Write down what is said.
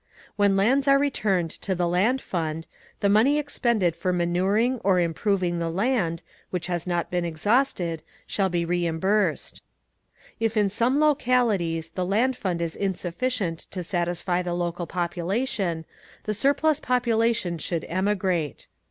When lands are returned to the Land Fund, the money expended for manuring or improving the land, which has not been exhausted, shall be reimbursed. If in some localities the Land Fund is insufficient to satisfy the local population, the surplus population should emigrate.